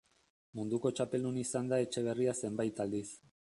Munduko txapeldun izan da Etxeberria zenbait aldiz.